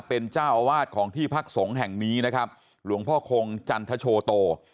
เป็นเจ้าอาวาสของที่พักสงฆ์แห่งนี้นะครับหลวงพ่อคงจันทโชโต